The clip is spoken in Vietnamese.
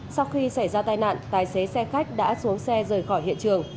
sau khi xảy ra tai nạn tài xế xe khách đã xuống xe rời khỏi hiện trường